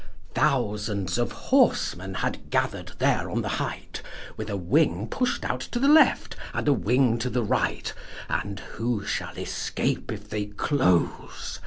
Thousands of horsemen had gather'd there on the height, With a wing push'd out to the left, and a wing to the right, And who shall escape if they close?